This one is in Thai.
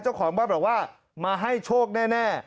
เจ้าของบ้านบอกว่ามาให้โชคแน่